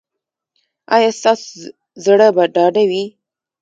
ایا ستاسو زړه به ډاډه وي؟